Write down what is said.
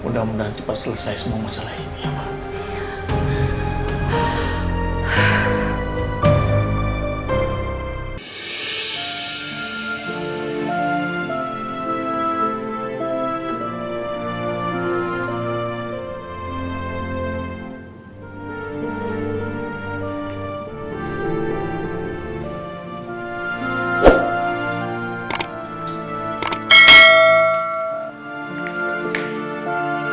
mudah mudahan cepat selesai semua masalah ini ya ma